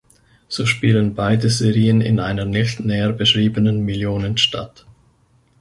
So spielen beide Serien in einer nicht näher beschriebenen Millionenstadt.